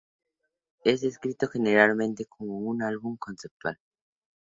Es descrito generalmente como un álbum conceptual.